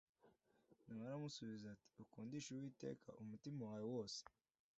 Na we aramusubiza ati Ukundishe Uwiteka umutima wawe wose